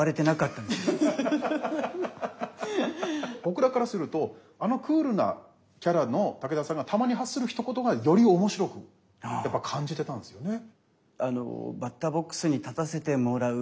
僕僕らからするとあのクールなキャラの武田さんがたまに発するひと言がより面白くやっぱ感じてたんですよね。